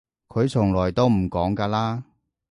佢從來都唔講㗎啦